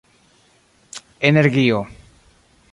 energio